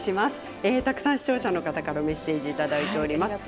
視聴者の方からメッセージをいただいています。